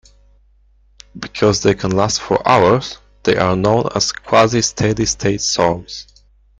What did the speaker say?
Because they can last for hours, they are known as quasi-steady-state storms.